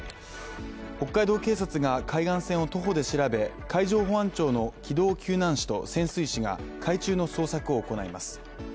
北海道警察が、海岸線を徒歩で調べ海上保安庁の機動救難士と潜水士が海中の捜索を行います。